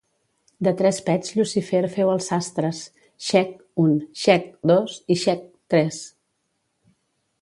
De tres pets Llucifer feu els sastres: xec! un; xec! dos; i xec! tres.